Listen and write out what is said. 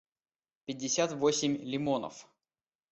пятьдесят восемь лимонов